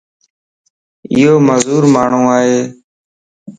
ايو معذور ماڻھو ائي.